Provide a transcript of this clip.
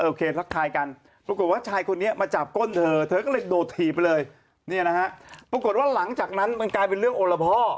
โคทักทายกันปรากฏว่าชายคนนี้มาจับก้นเธอเธอก็เลยโดดถีบไปเลยเนี่ยนะฮะปรากฏว่าหลังจากนั้นมันกลายเป็นเรื่องโอละพ่อ